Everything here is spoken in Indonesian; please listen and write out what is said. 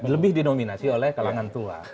lebih dinominasi oleh kalangan tua